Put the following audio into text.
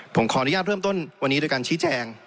ผมขออนุญาตเริ่มต้นวันนี้โดยการชี้แจง